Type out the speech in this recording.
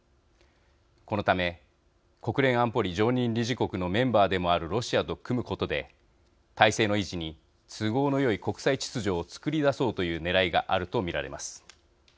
このため国連安保理常任理事国のメンバーでもあるロシアと組むことで体制の維持に都合のよい国際秩序を作り出そうというねらいがあると見られます。